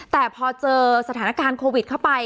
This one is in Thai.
แต่พอเจอสถานการณ์โควิดเข้าไป